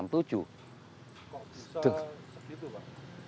kok bisa begitu pak